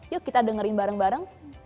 yuk kita dengerin bareng bareng